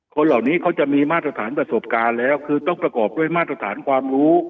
คนเหล่านี้เขาจะมีมาตรฐานประสบการณ์แล้วคือต้องประกอบด้วยมาตรฐานความรู้